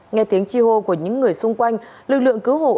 nghe tiếng chi hô của những người xung quanh lực lượng cứu hộ